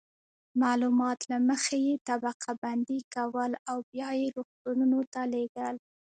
معلومات له مخې یې طبقه بندي کول او بیا یې روغتونونو ته لیږل.